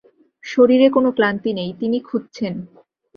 শরীরে কোনো ক্লান্তি নেই, তিনি খুঁজছেন।